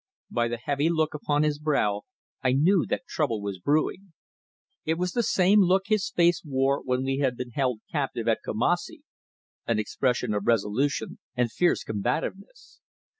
By the heavy look upon his brow I knew that trouble was brewing. It was the same look his face wore when we had been held captive at Kumassi, an expression of resolution and fierce combativeness.